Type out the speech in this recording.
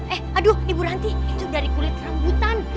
eh aduh ibu ranti itu dari kulit rambutan